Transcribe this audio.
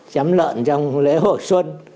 chém lợn trong lễ hội xuân